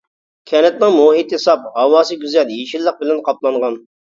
كەنتنىڭ مۇھىتى ساپ، ھاۋاسى گۈزەل، يېشىللىق بىلەن قاپلانغان.